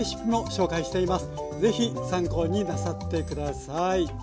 是非参考になさって下さい。